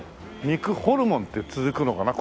「肉ホルモン」って続くのかな？